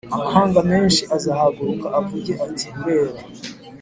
amahanga menshi azahaguruka avuge ati urera